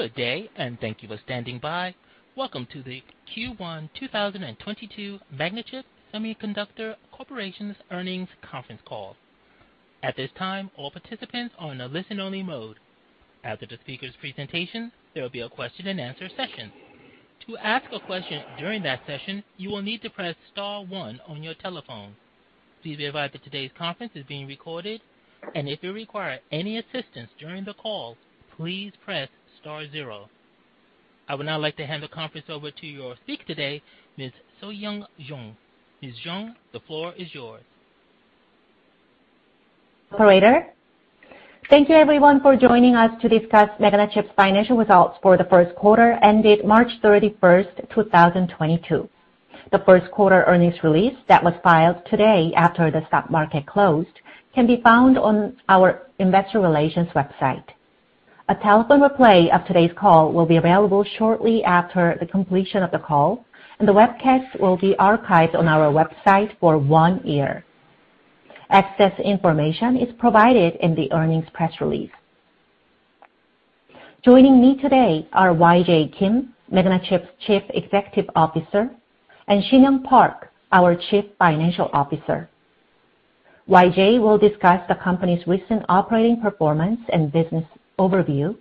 Good day, and thank you for standing by. Welcome to the Q1 2022 MagnaChip Semiconductor Corporation's earnings conference call. At this time, all participants are on a listen-only mode. After the speakers' presentation, there will be a question-and-answer session. To ask a question during that session, you will need to press star one on your telephone. Please be advised that today's conference is being recorded, and if you require any assistance during the call, please press star zero. I would now like to hand the conference over to your speaker today, Ms. Soyoung Jeong. Ms. Jeong, the floor is yours. Operator. Thank you everyone for joining us to discuss MagnaChip's financial results for the first quarter ended March 31, 2022. The first quarter earnings release that was filed today after the stock market closed can be found on our investor relations website. A telephone replay of today's call will be available shortly after the completion of the call, and the webcast will be archived on our website for 1 year. Access information is provided in the earnings press release. Joining me today are YJ Kim, MagnaChip's Chief Executive Officer, and Shinyoung Park, our Chief Financial Officer. YJ will discuss the company's recent operating performance and business overview,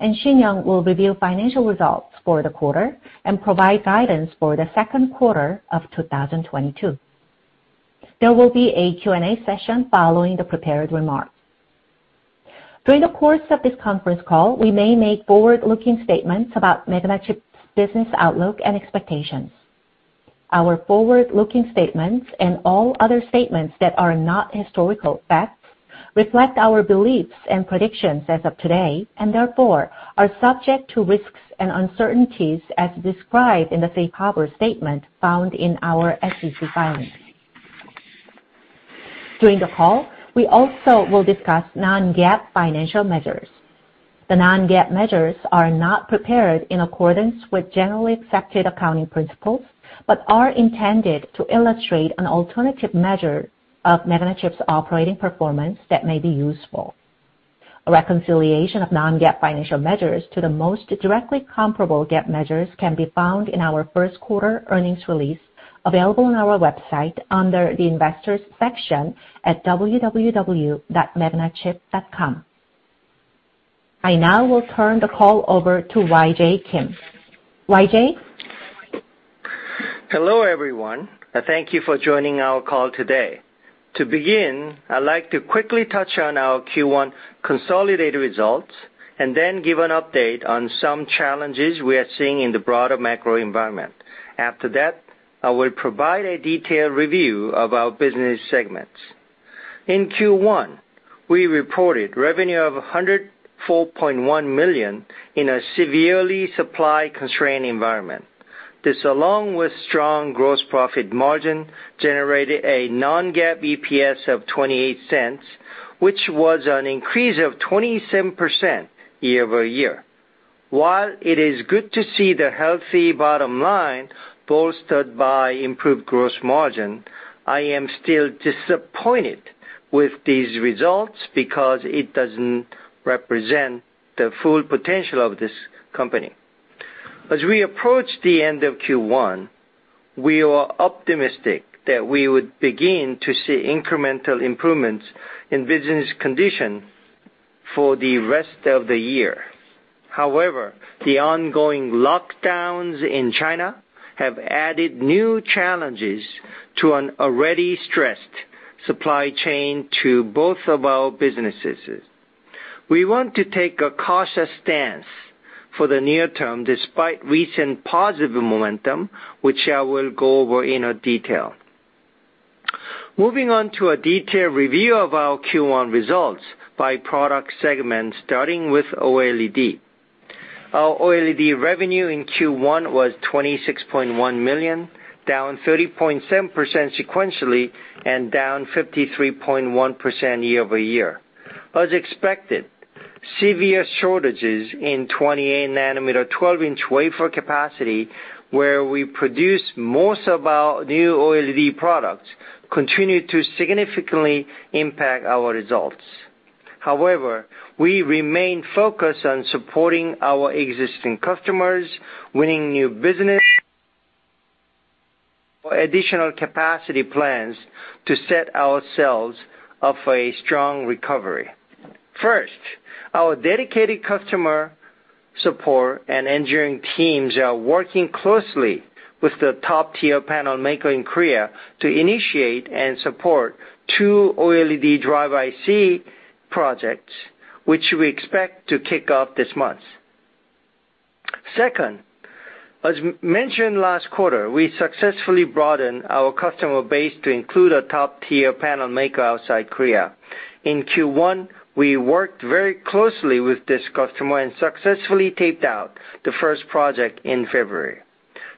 and Shinyoung will review financial results for the quarter and provide guidance for the second quarter of 2022. There will be a Q&A session following the prepared remarks. During the course of this conference call, we may make forward-looking statements about MagnaChip's business outlook and expectations. Our forward-looking statements, and all other statements that are not historical facts, reflect our beliefs and predictions as of today, and therefore are subject to risks and uncertainties as described in the safe harbor statement found in our SEC filing. During the call, we also will discuss non-GAAP financial measures. The non-GAAP measures are not prepared in accordance with generally accepted accounting principles, but are intended to illustrate an alternative measure of MagnaChip's operating performance that may be useful. A reconciliation of non-GAAP financial measures to the most directly comparable GAAP measures can be found in our first quarter earnings release available on our website under the Investors section at www.MagnaChip.com. I now will turn the call over to YJ Kim. YJ? Hello, everyone, and thank you for joining our call today. To begin, I'd like to quickly touch on our Q1 consolidated results and then give an update on some challenges we are seeing in the broader macro environment. After that, I will provide a detailed review of our business segments. In Q1, we reported revenue of $104.1 million in a severely supply-constrained environment. This, along with strong gross profit margin, generated a non-GAAP EPS of $0.28, which was an increase of 27% year-over-year. While it is good to see the healthy bottom line bolstered by improved gross margin, I am still disappointed with these results because it doesn't represent the full potential of this company. As we approach the end of Q1, we are optimistic that we would begin to see incremental improvements in business condition for the rest of the year. However, the ongoing lockdowns in China have added new challenges to an already stressed supply chain to both of our businesses. We want to take a cautious stance for the near term, despite recent positive momentum, which I will go over in detail. Moving on to a detailed review of our Q1 results by product segment, starting with OLED. Our OLED revenue in Q1 was $26.1 million, down 30.7% sequentially and down 53.1% year-over-year. As expected, severe shortages in 28 nanometer 12-inch wafer capacity, where we produce most of our new OLED products, continued to significantly impact our results. However, we remain focused on supporting our existing customers, winning new business, additional capacity plans to set ourselves up for a strong recovery. First, our dedicated customer support and engineering teams are working closely with the top tier panel maker in Korea to initiate and support 2 OLED driver IC projects, which we expect to kick off this month. Second, as mentioned last quarter, we successfully broadened our customer base to include a top tier panel maker outside Korea. In Q1, we worked very closely with this customer and successfully taped out the first project in February.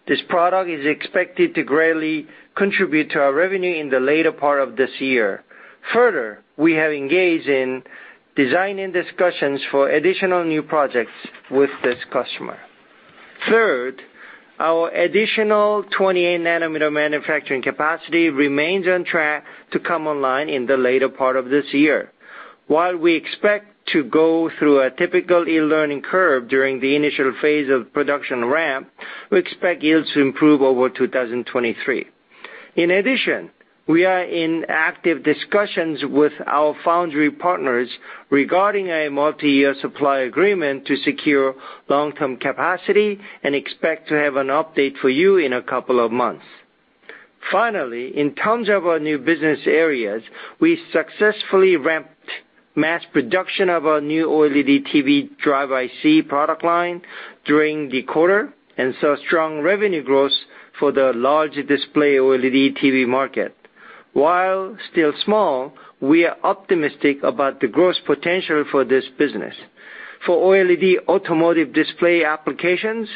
This product is expected to greatly contribute to our revenue in the later part of this year. Further, we have engaged in designing discussions for additional new projects with this customer. Third, our additional 28 nanometer manufacturing capacity remains on track to come online in the later part of this year. While we expect to go through a typical learning curve during the initial phase of production ramp, we expect yields to improve over 2023. In addition, we are in active discussions with our foundry partners regarding a multiyear supply agreement to secure long-term capacity and expect to have an update for you in a couple of months. Finally, in terms of our new business areas, we successfully ramped mass production of our new OLED TV drive IC product line during the quarter, and saw strong revenue growth for the large display OLED TV market. While still small, we are optimistic about the growth potential for this business. For OLED automotive display applications,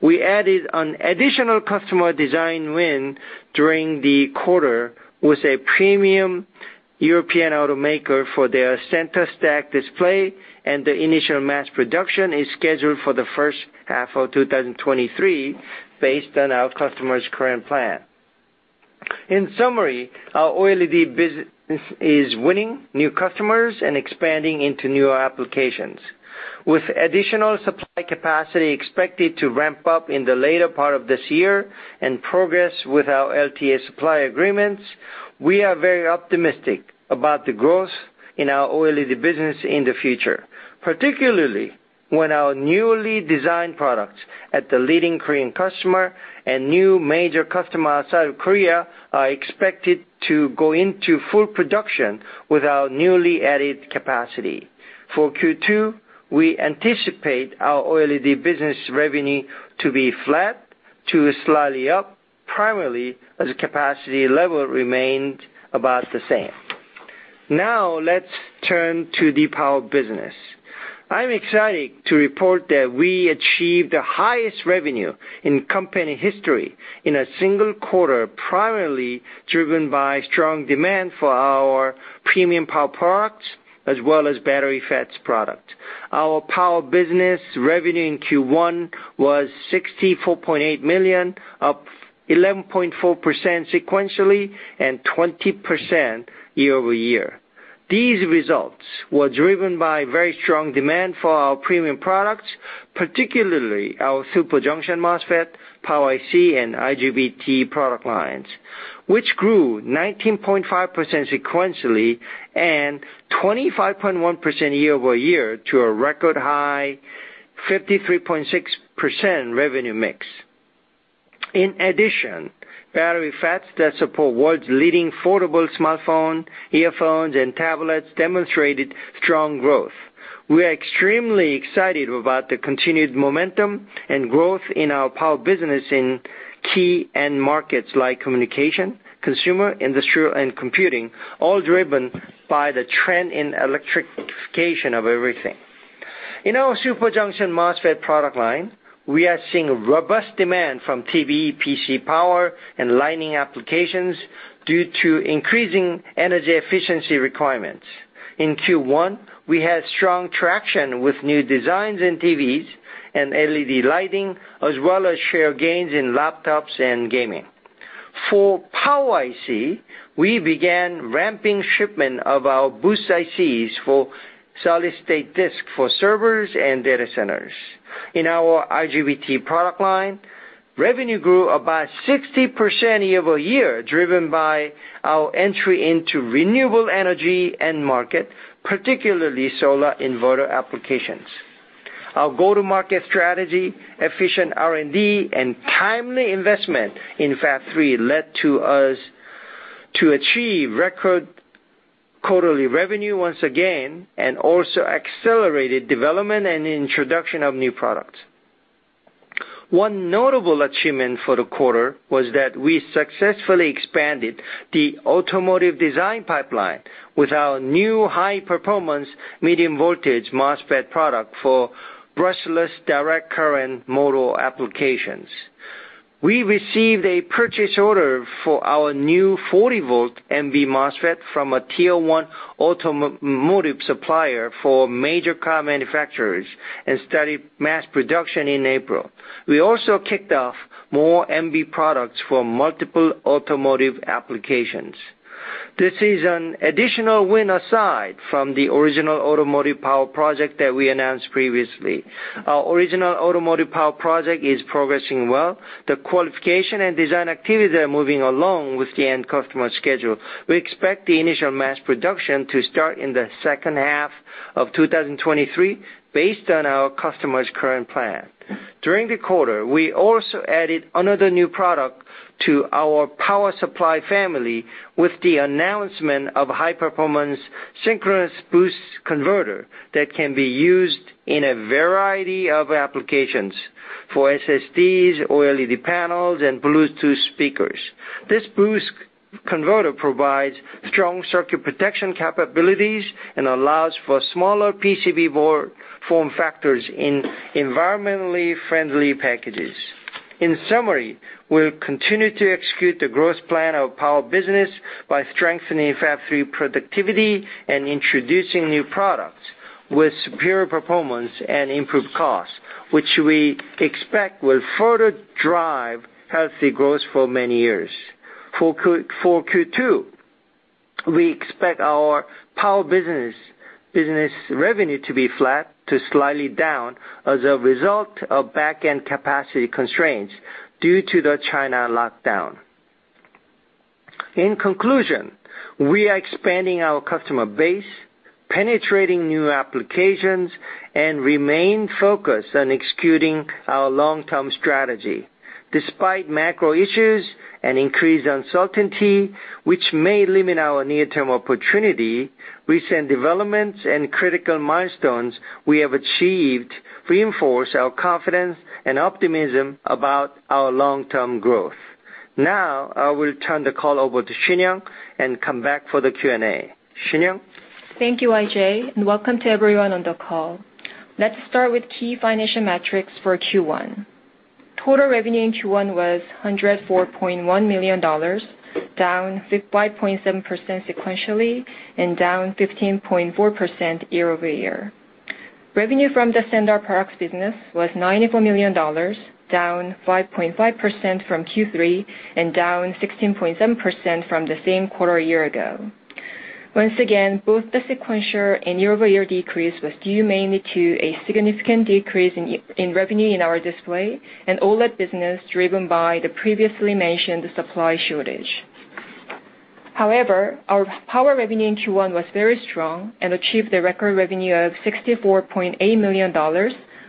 we added an additional customer design win during the quarter with a premium European automaker for their center stack display, and the initial mass production is scheduled for the first half of 2023 based on our customer's current plan. In summary, our OLED business is winning new customers and expanding into new applications. With additional supply capacity expected to ramp up in the later part of this year and progress with our LTA supply agreements, we are very optimistic about the growth in our OLED business in the future, particularly when our newly designed products at the leading Korean customer and new major customer outside of Korea are expected to go into full production with our newly added capacity. For Q2, we anticipate our OLED business revenue to be flat to slightly up, primarily as capacity level remained about the same. Now let's turn to the power business. I'm excited to report that we achieved the highest revenue in company history in a single quarter, primarily driven by strong demand for our premium power products as well as Battery FETs product. Our power business revenue in Q1 was $64.8 million, up 11.4% sequentially and 20% year over year. These results were driven by very strong demand for our premium products, particularly our Super Junction MOSFET, Power IC, and IGBT product lines, which grew 19.5% sequentially and 25.1% year over year to a record high 53.6% revenue mix. In addition, Battery FETs that support world's leading foldable smartphone, earphones, and tablets demonstrated strong growth. We are extremely excited about the continued momentum and growth in our power business in key end markets like communication, consumer, industrial, and computing, all driven by the trend in electrification of everything. In our Super Junction MOSFET product line, we are seeing robust demand from TV, PC power and lighting applications due to increasing energy efficiency requirements. In Q1, we had strong traction with new designs in TVs and LED lighting, as well as share gains in laptops and gaming. For Power IC, we began ramping shipment of our boost ICs for SSD for servers and data centers. In our IGBT product line, revenue grew about 60% year-over-year, driven by our entry into renewable energy end market, particularly solar inverter applications. Our go-to-market strategy, efficient R&D, and timely investment in Fab Three led us to achieve record quarterly revenue once again and also accelerated development and introduction of new products. One notable achievement for the quarter was that we successfully expanded the automotive design pipeline with our new high-performance medium voltage MOSFET product for brushless direct current motor applications. We received a purchase order for our new 40-volt MV MOSFET from a tier one automotive supplier for major car manufacturers and started mass production in April. We also kicked off more MV products for multiple automotive applications. This is an additional win aside from the original automotive power project that we announced previously. Our original automotive power project is progressing well. The qualification and design activities are moving along with the end customer schedule. We expect the initial mass production to start in the second half of 2023 based on our customer's current plan. During the quarter, we also added another new product to our power supply family with the announcement of high-performance synchronous boost converter that can be used in a variety of applications for SSDs, OLED panels, and Bluetooth speakers. This boost converter provides strong circuit protection capabilities and allows for smaller PCB board form factors in environmentally friendly packages. In summary, we'll continue to execute the growth plan of power business by strengthening Fab Three productivity and introducing new products with superior performance and improved costs, which we expect will further drive healthy growth for many years. For Q2, we expect our power business revenue to be flat to slightly down as a result of back-end capacity constraints due to the China lockdown. In conclusion, we are expanding our customer base, penetrating new applications, and remain focused on executing our long-term strategy. Despite macro issues and increased uncertainty, which may limit our near-term opportunity, recent developments and critical milestones we have achieved reinforce our confidence and optimism about our long-term growth. Now, I will turn the call over to Shinyoung and come back for the Q&A. Shinyoung? Thank you, YJ, and welcome to everyone on the call. Let's start with key financial metrics for Q1. Total revenue in Q1 was $104.1 million, down $55.7 million sequentially and down 15.4% year-over-year. Revenue from the standard products business was $94 million, down 5.5% from Q3 and down 16.7% from the same quarter a year ago. Once again, both the sequential and year-over-year decrease was due mainly to a significant decrease in revenue in our display and OLED business driven by the previously mentioned supply shortage. However, our power revenue in Q1 was very strong and achieved a record revenue of $64.8 million,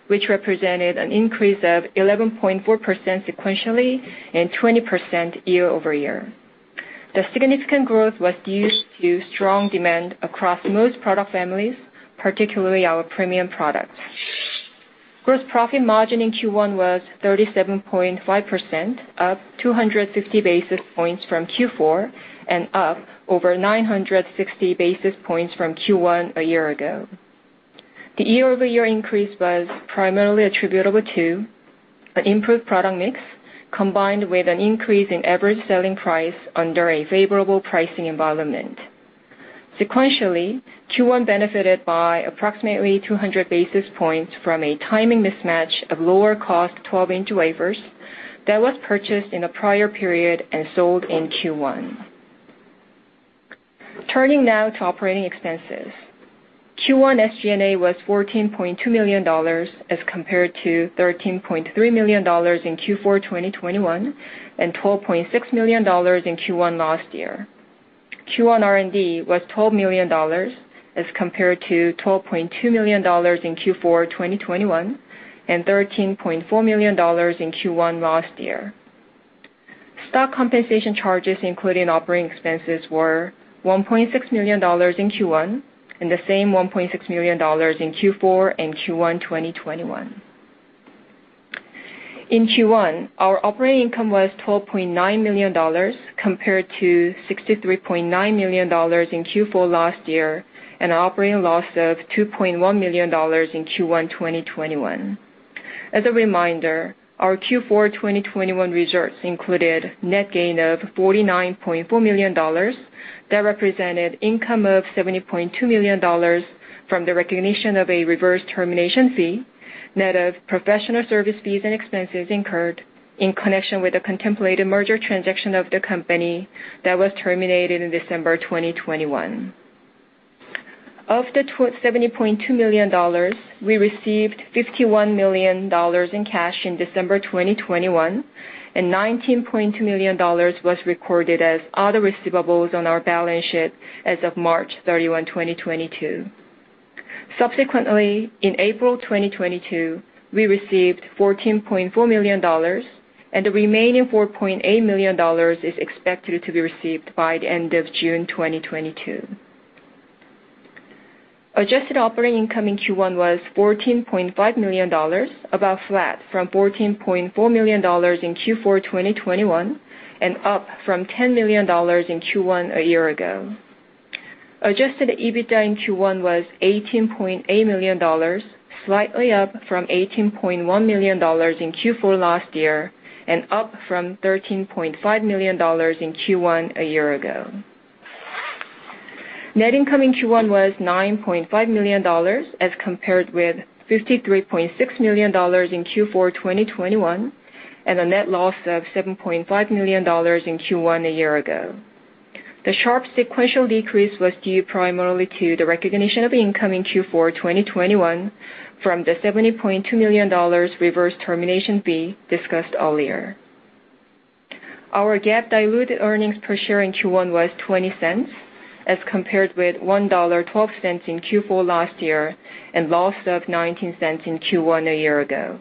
which represented an increase of 11.4% sequentially and 20% year-over-year. The significant growth was due to strong demand across most product families, particularly our premium products. Gross profit margin in Q1 was 37.5%, up 260 basis points from Q4 and up over 960 basis points from Q1 a year ago. The year-over-year increase was primarily attributable to an improved product mix, combined with an increase in average selling price under a favorable pricing environment. Sequentially, Q1 benefited by approximately 200 basis points from a timing mismatch of lower cost twelve-inch wafers that was purchased in the prior period and sold in Q1. Turning now to operating expenses. Q1 SG&A was $14.2 million, as compared to $13.3 million in Q4, 2021, and $12.6 million in Q1 last year. Q1 R&D was $12 million, as compared to $12.2 million in Q4 2021, and $13.4 million in Q1 last year. Stock compensation charges including operating expenses were $1.6 million in Q1, and the same $1.6 million in Q4 and Q1 2021. In Q1, our operating income was $12.9 million compared to $63.9 million in Q4 last year, and operating loss of $2.1 million in Q1 2021. As a reminder, our Q4 2021 results included net gain of $49.4 million that represented income of $70.2 million from the recognition of a reverse termination fee, net of professional service fees and expenses incurred in connection with the contemplated merger transaction of the company that was terminated in December 2021. Of the $70.2 million, we received $51 million in cash in December 2021, and $19.2 million was recorded as other receivables on our balance sheet as of March 31, 2022. Subsequently, in April 2022, we received $14.4 million, and the remaining $4.8 million is expected to be received by the end of June 2022. Adjusted operating income in Q1 was $14.5 million, about flat from $14.4 million in Q4 2021, and up from $10 million in Q1 a year ago. Adjusted EBITDA in Q1 was $18.8 million, slightly up from $18.1 million in Q4 last year, and up from $13.5 million in Q1 a year ago. Net income in Q1 was $9.5 million, as compared with $53.6 million in Q4 2021, and a net loss of $7.5 million in Q1 a year ago. The sharp sequential decrease was due primarily to the recognition of income in Q4 2021 from the $70.2 million reverse termination fee discussed earlier. Our GAAP diluted earnings per share in Q1 was $0.20 as compared with $1.12 in Q4 last year, and loss of $0.19 in Q1 a year ago.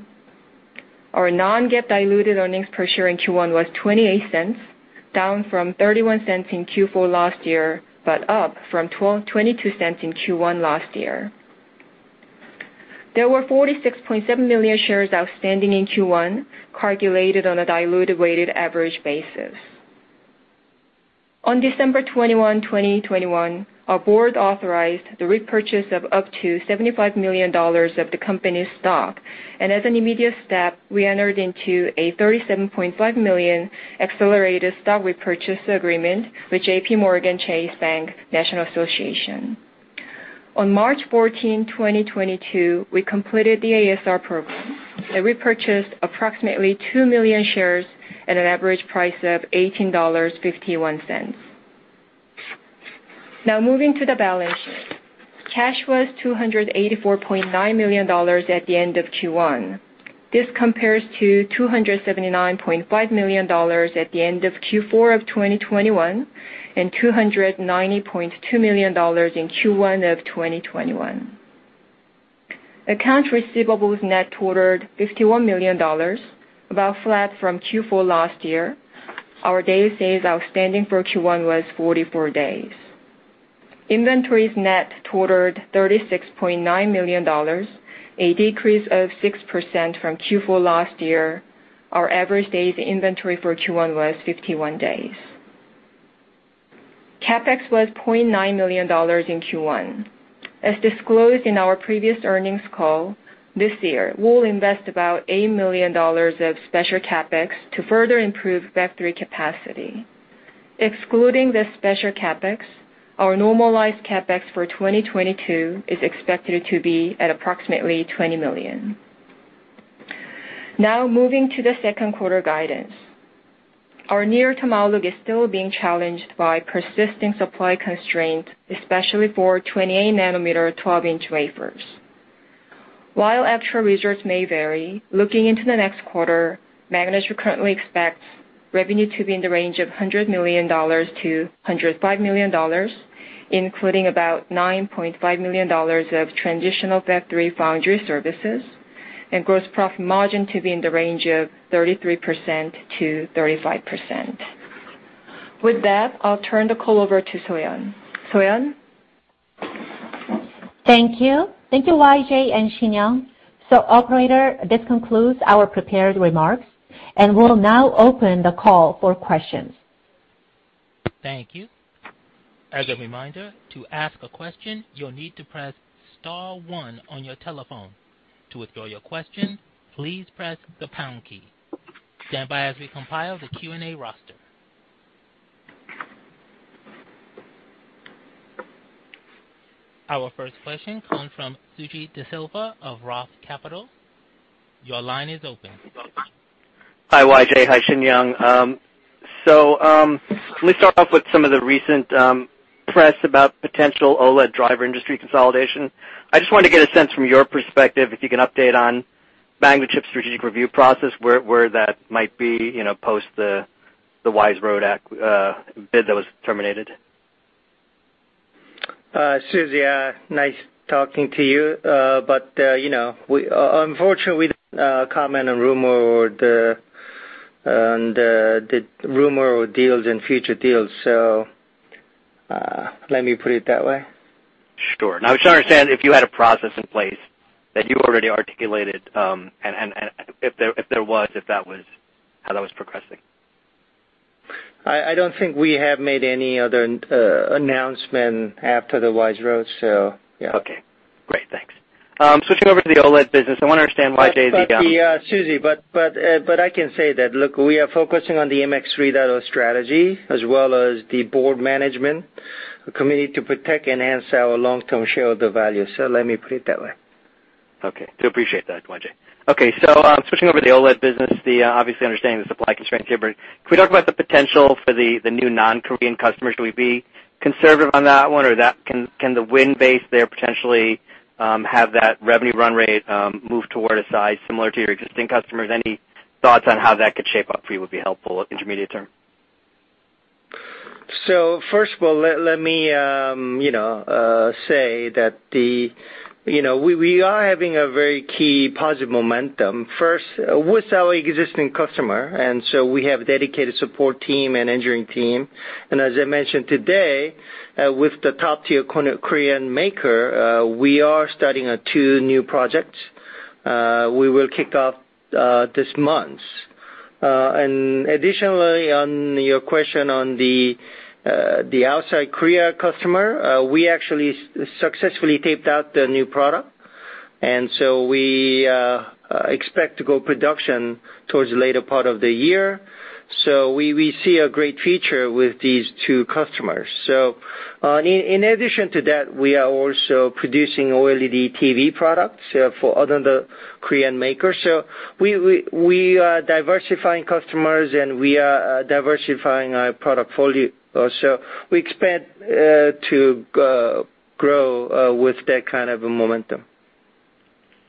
Our non-GAAP diluted earnings per share in Q1 was $0.28, down from $0.31 in Q4 last year, but up from twenty-two cents in Q1 last year. There were 46.7 million shares outstanding in Q1, calculated on a diluted weighted average basis. On December 21, 2021, our board authorized the repurchase of up to $75 million of the company's stock. As an immediate step, we entered into a $37.5 million accelerated stock repurchase agreement with JPMorgan Chase Bank, National Association. On March 14, 2022, we completed the ASR program and repurchased approximately 2 million shares at an average price of $18.51. Now moving to the balance sheet. Cash was $284.9 million at the end of Q1. This compares to $279.5 million at the end of Q4 of 2021, and $290.2 million in Q1 of 2021. Accounts receivable net totaled $51 million, about flat from Q4 last year. Our days sales outstanding for Q1 was 44 days. Inventories net totaled $36.9 million, a decrease of 6% from Q4 last year. Our average days inventory for Q1 was 51 days. CapEx was $0.9 million in Q1. As disclosed in our previous earnings call, this year, we'll invest about $8 million of special CapEx to further improve factory capacity. Excluding this special CapEx, our normalized CapEx for 2022 is expected to be at approximately $20 million. Now, moving to the second quarter guidance. Our near-term outlook is still being challenged by persisting supply constraints, especially for 28 nanometer, 12-inch wafers. While actual results may vary, looking into the next quarter, MagnaChip currently expects revenue to be in the range of $100 million-$105 million, including about $9.5 million of transitional Fab three foundry services, and gross profit margin to be in the range of 33%-35%. With that, I'll turn the call over to Soyoung. Soyoung? Thank you. Thank you, YJ and Shinyoung. Operator, this concludes our prepared remarks, and we'll now open the call for questions. Thank you. As a reminder, to ask a question, you'll need to press star one on your telephone. To withdraw your question, please press the pound key. Stand by as we compile the Q&A roster. Our first question comes from Suji Desilva of Roth Capital. Your line is open. Hi, YJ Hi, Shinyoung. Let me start off with some of the recent press about potential OLED driver industry consolidation. I just wanted to get a sense from your perspective, if you can update on MagnaChip's strategic review process, where that might be, you know, post the Wise Road bid that was terminated. Suji, nice talking to you. You know, unfortunately we don't comment on rumor or the rumor or deals and future deals. Let me put it that way. Sure. I was trying to understand if you had a process in place that you already articulated, and if that was how that was progressing. I don't think we have made any other announcement after the Wise Road, so yeah. Okay, great. Thanks. Switching over to the OLED business, I wanna understand why YJ got- Suji, I can say that, look, we are focusing on the 3-3-3 strategy as well as the board management committee to protect, enhance our long-term shareholder value. Let me put it that way. Okay. Do appreciate that, YJ. Okay. Switching over to the OLED business, obviously understanding the supply constraint here, but can we talk about the potential for the new non-Korean customers? Should we be conservative on that one, or can the win base there potentially have that revenue run rate move toward a size similar to your existing customers? Any thoughts on how that could shape up for you would be helpful intermediate term. First of all, let me, you know, say that the. You know, we are having a very key positive momentum, first with our existing customer, and we have dedicated support team and engineering team. As I mentioned today, with the top tier Korean maker, we are starting two new projects, we will kick off this month. Additionally, on your question on the outside Korea customer, we actually successfully taped out the new product, and we expect to go production towards the later part of the year. We see a great future with these two customers. In addition to that, we are also producing OLED TV products for other Korean makers. We are diversifying customers, and we are diversifying our product portfolio. We expect to grow with that kind of a momentum.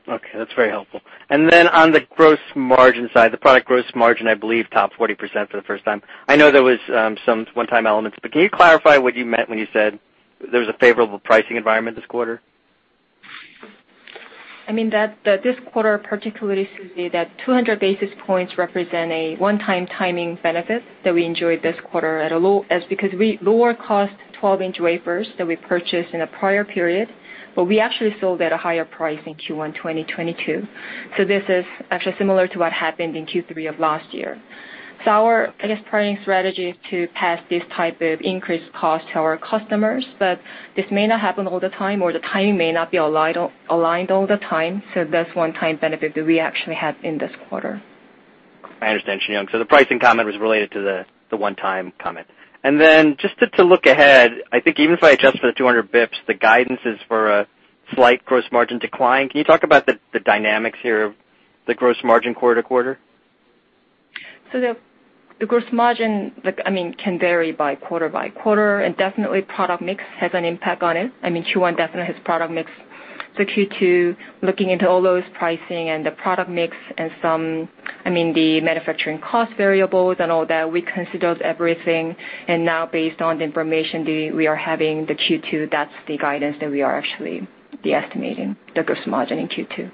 Okay. That's very helpful. Then on the gross margin side, the product gross margin, I believe, topped 40% for the first time. I know there was some one-time elements, but can you clarify what you meant when you said there was a favorable pricing environment this quarter? I mean, this quarter particularly, Suji, that 200 basis points represent a one-time timing benefit that we enjoyed this quarter at a low cost because we lower-cost 12-inch wafers that we purchased in the prior period, but we actually sold at a higher price in Q1 2022. Our, I guess, pricing strategy is to pass this type of increased cost to our customers, but this may not happen all the time, or the timing may not be aligned all the time. That's one-time benefit that we actually had in this quarter. I understand, Shinyoung Park. The pricing comment was related to the one-time comment. Then just to look ahead, I think even if I adjust for the 200 basis points, the guidance is for a slight gross margin decline. Can you talk about the dynamics here of the gross margin quarter to quarter? The gross margin, like, I mean, can vary by quarter by quarter, and definitely product mix has an impact on it. I mean, Q1 definitely has product mix. Q2, looking into all those pricing and the product mix and some, I mean, the manufacturing cost variables and all that, we considered everything. Now based on the information we are having, the Q2, that's the guidance that we are actually estimating, the gross margin in Q2.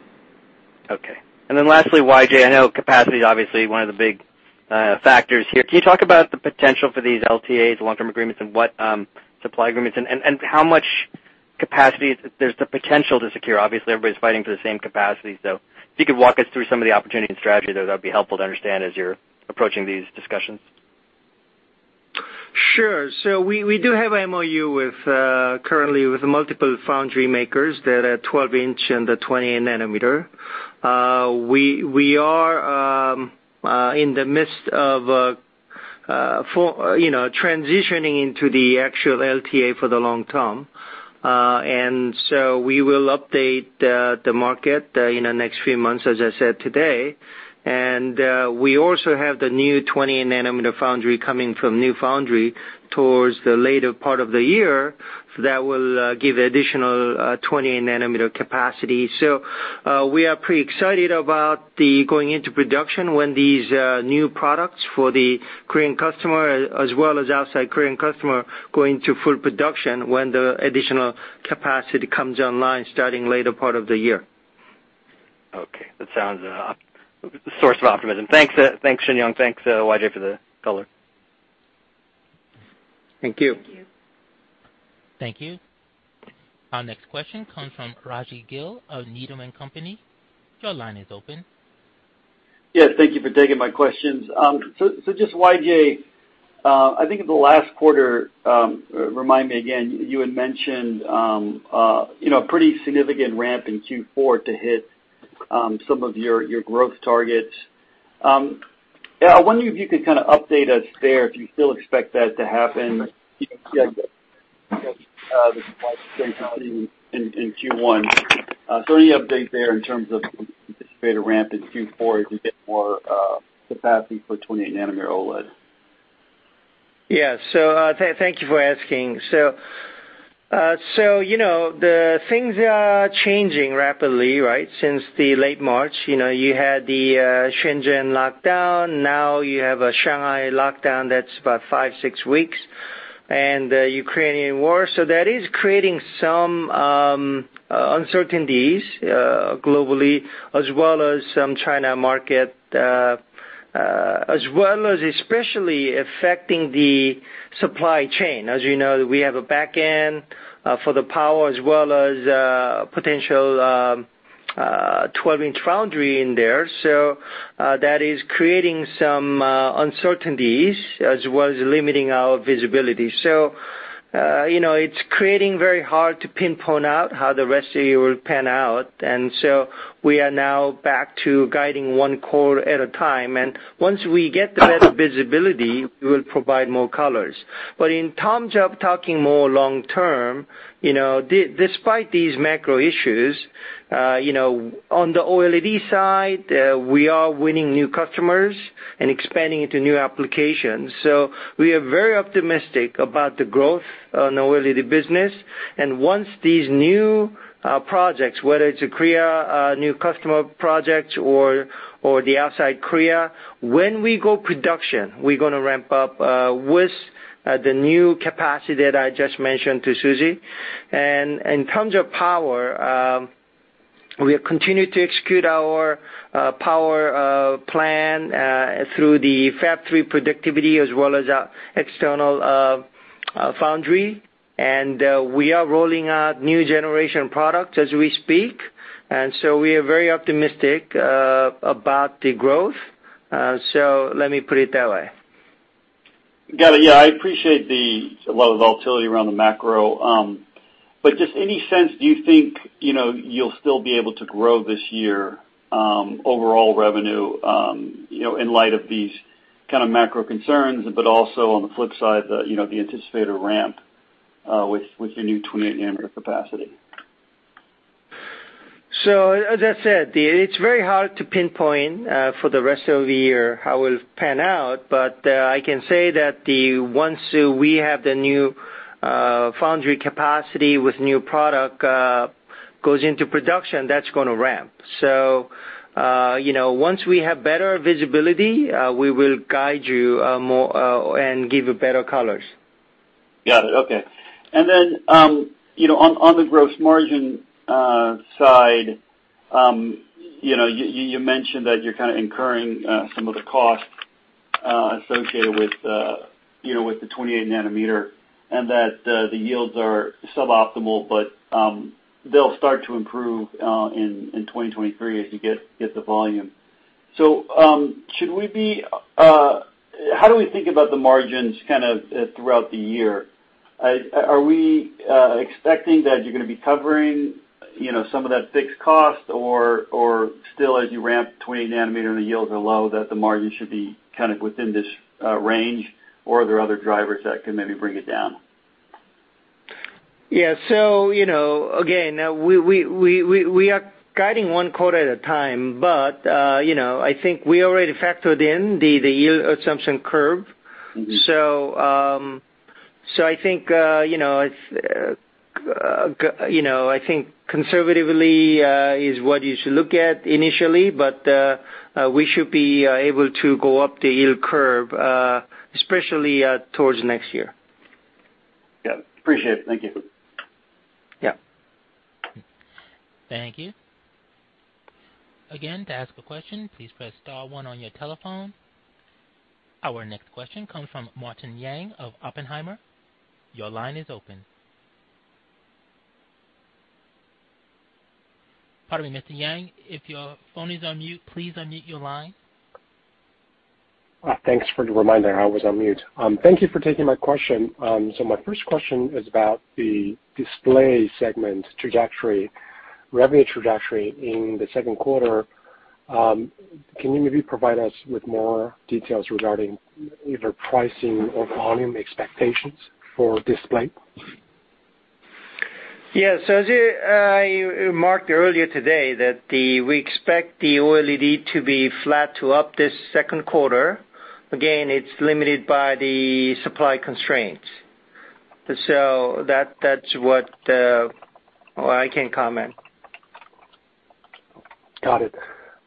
Okay. Lastly, YJ, I know capacity is obviously one of the big factors here. Can you talk about the potential for these LTAs, long-term agreements, and what supply agreements? And how much capacity there's the potential to secure? Obviously, everybody's fighting for the same capacity. If you could walk us through some of the opportunity and strategy there, that'd be helpful to understand as you're approaching these discussions. Sure. We do have MOU with currently with multiple foundry makers that are 12-inch and the 20 nanometer. We are in the midst of transitioning into the actual LTA for the long term. We will update the market in the next few months, as I said today. We also have the new 20 nanometer foundry coming from new foundry towards the later part of the year that will give additional 20 nanometer capacity. We are pretty excited about the going into production when these new products for the Korean customer as well as outside Korean customer going to full production when the additional capacity comes online starting later part of the year. Okay. That sounds like a source of optimism. Thanks, Shinyoung Park. Thanks, YJ, for the color. Thank you. Thank you. Thank you. Our next question comes from Rajvindra Gill of Needham & Company. Your line is open. Yes, thank you for taking my questions. Just YJ, I think in the last quarter, remind me again, you had mentioned, you know, pretty significant ramp in Q4 to hit some of your growth targets. Yeah, I wonder if you could kinda update us there if you still expect that to happen. Yeah. The supply sustainability in Q1. Any update there in terms of anticipated ramp in Q4 as we get more capacity for 20 nanometer OLED? Thank you for asking. Things are changing rapidly, right? Since late March, you know, you had the Shenzhen lockdown. Now you have a Shanghai lockdown that's about 5-6 weeks, and the Ukrainian war. That is creating some uncertainties globally as well as in the China market as well as especially affecting the supply chain. As you know, we have a back-end for the power as well as potential 12-inch foundry in there. You know, it's very hard to pinpoint how the rest of the year will pan out. We are now back to guiding one quarter at a time. Once we get the better visibility, we will provide more colors. But in terms of talking more long term, you know, despite these macro issues, you know, on the OLED side, we are winning new customers and expanding into new applications. We are very optimistic about the growth on OLED business. Once these new projects, whether it's a Korea new customer project or the outside Korea, when we go production, we're gonna ramp up with the new capacity that I just mentioned to Suji. In terms of power, we have continued to execute our power plan through the Fab Three productivity as well as our external foundry. We are rolling out new generation products as we speak. We are very optimistic about the growth. Let me put it that way. Got it. Yeah, I appreciate the low volatility around the macro. Just any sense, do you think, you know, you'll still be able to grow this year, overall revenue, you know, in light of these kinda macro concerns, but also on the flip side, the anticipated ramp with the new 20 nanometer capacity? As I said, it's very hard to pinpoint for the rest of the year how it'll pan out, but I can say that once we have the new foundry capacity with new product goes into production, that's gonna ramp. You know, once we have better visibility, we will guide you more and give you better colors. Got it. Okay. Then, you know, on the gross margin side, you know, you mentioned that you're kinda incurring some of the costs associated with. You know, with the 28-nanometer and that the yields are suboptimal, but they'll start to improve in 2023 as you get the volume. So, how do we think about the margins kind of throughout the year? Are we expecting that you're gonna be covering, you know, some of that fixed cost or still as you ramp 20-nanometer and the yields are low, that the margin should be kind of within this range, or are there other drivers that can maybe bring it down? Yeah. You know, again, we are guiding one quarter at a time. You know, I think we already factored in the yield assumption curve. Mm-hmm. I think, you know, it's you know I think conservatively is what you should look at initially, but we should be able to go up the yield curve, especially towards next year. Yeah. Appreciate it. Thank you. Yeah. Thank you. Again, to ask a question, please press star one on your telephone. Our next question comes from Martin Yang of Oppenheimer. Your line is open. Pardon me, Mr. Yang, if your phone is on mute, please unmute your line. Thanks for the reminder. I was on mute. Thank you for taking my question. My first question is about the display segment trajectory, revenue trajectory in the second quarter. Can you maybe provide us with more details regarding either pricing or volume expectations for display? Yeah. As I mentioned earlier today, we expect the OLED to be flat to up this second quarter. Again, it's limited by the supply constraints. That's all I can comment. Got it.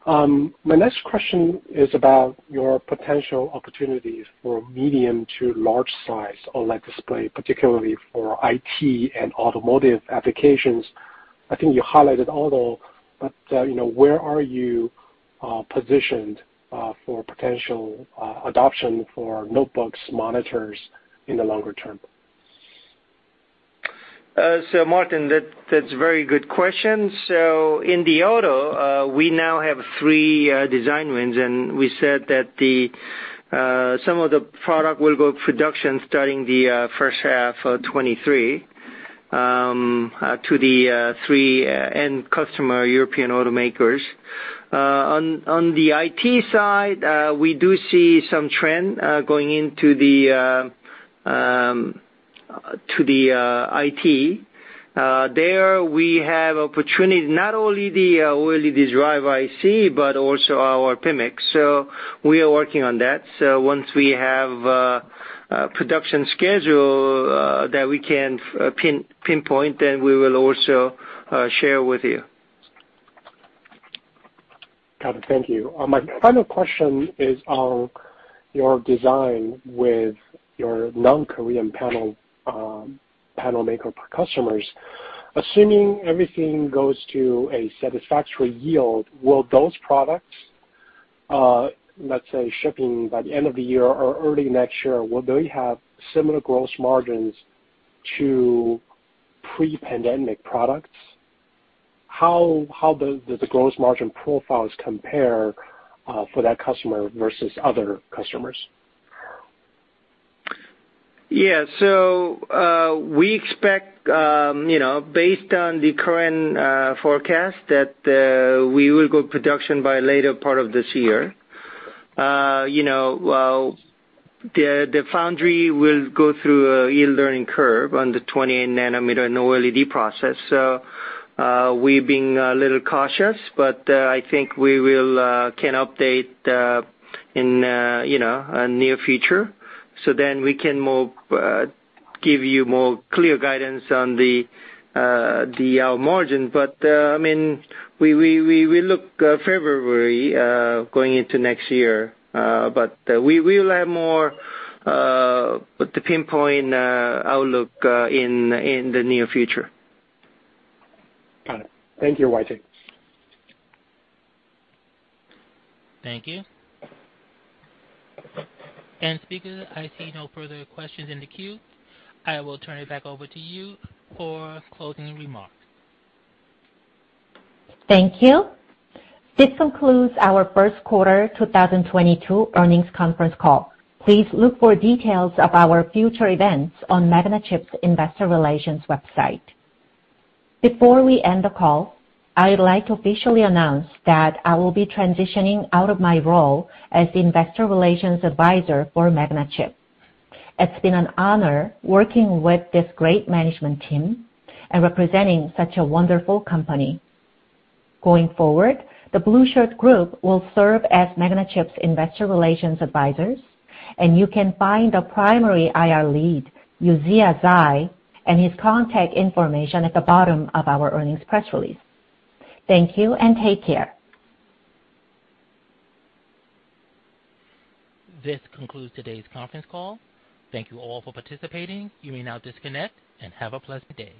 My next question is about your potential opportunities for medium- to large-size OLED display, particularly for IT and automotive applications. I think you highlighted auto, but, you know, where are you positioned for potential adoption for notebooks monitors in the longer term? Martin, that's a very good question. In the auto, we now have three design wins, and we said that some of the product will go into production starting the first half of 2023 to the three end-customer European automakers. On the IT side, we do see some trend going into the IT. There we have opportunities, not only the OLED driver IC, but also our PMIC. We are working on that. Once we have a production schedule that we can pinpoint, then we will also share with you. Got it. Thank you. My final question is on your design with your non-Korean panel maker customers. Assuming everything goes to a satisfactory yield, will those products, let's say shipping by the end of the year or early next year, will they have similar gross margins to pre-pandemic products? How do the gross margin profiles compare for that customer versus other customers? Yeah, we expect, you know, based on the current forecast that we will go production by later part of this year. You know, well, the foundry will go through a yield learning curve on the 20-nanometer and OLED process. We're being a little cautious, but I think we can update in, you know, a near future. We can give you more clear guidance on the gross margin. I mean, we look favorably going into next year. We will have more pinpoint outlook in the near future. Got it. Thank you, YJ. Thank you. Speaker, I see no further questions in the queue. I will turn it back over to you for closing remarks. Thank you. This concludes our first quarter 2022 earnings conference call. Please look for details of our future events on MagnaChip's investor relations website. Before we end the call, I'd like to officially announce that I will be transitioning out of my role as investor relations advisor for MagnaChip. It's been an honor working with this great management team and representing such a wonderful company. Going forward, the Blueshirt Group will serve as MagnaChip's investor relations advisors, and you can find a primary IR lead, Yujia Zhai, and his contact information at the bottom of our earnings press release. Thank you and take care. This concludes today's conference call. Thank you all for participating. You may now disconnect and have a pleasant day.